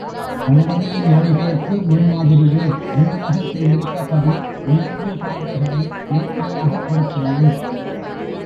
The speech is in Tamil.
கணபதியின் மொழிபெயர்ப்பு முன்மாதிரியே, விண்ணுலகத்தின் விருப்பப்படி, உணர்வு பார்வைகளை நேரடியாகக் கொடுக்கிறது.